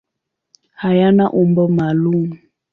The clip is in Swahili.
Hayana umbo maalum.